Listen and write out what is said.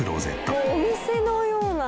もうお店のような。